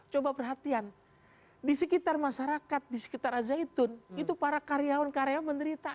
coba perhatian di sekitar masyarakat di sekitar al zaitun itu para karyawan karyawan menderita